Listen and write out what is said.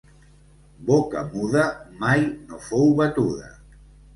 Boca muda mai no fou batuda.